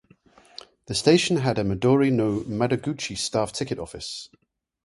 The station had a "Midori no Madoguchi" staffed ticket office.